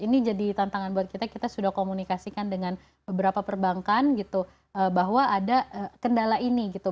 ini jadi tantangan buat kita kita sudah komunikasikan dengan beberapa perbankan gitu bahwa ada kendala ini gitu